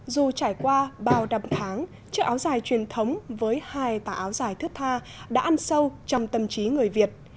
dù trải qua bao đầm tháng chiếc áo dài truyền thống với hai tả áo dài thước tha đã ăn sâu trong tâm trí người việt